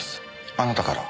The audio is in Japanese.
あなたから？